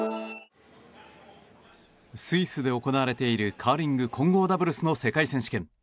スイスで行われているカーリング混合ダブルスの世界選手権。